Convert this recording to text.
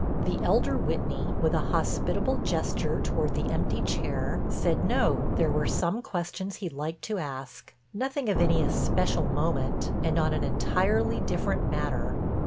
The elder Whitney with a hospitable gesture toward the empty chair, said no, there were some questions he'd like to ask, nothing of any especial moment and on an entirely different matter.